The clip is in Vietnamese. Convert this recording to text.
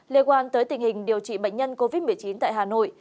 liên quan tới tình hình điều trị bệnh nhân covid một mươi chín tại hà nội